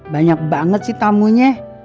banyak banget sih tamunya